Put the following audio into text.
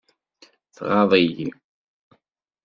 Tɣaḍ-iyi.